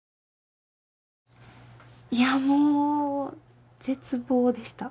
いやもう絶望でした。